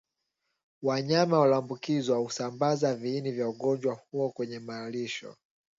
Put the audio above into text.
wanyama walioambukizwa husambaza viini vya ugonjwa huo kwenye malisho